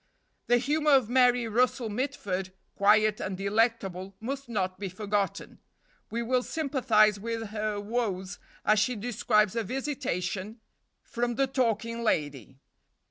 The humor of Mary Russell Mitford, quiet and delectable, must not be forgotten. We will sympathize with her woes as she describes a visitation from THE TALKING LADY.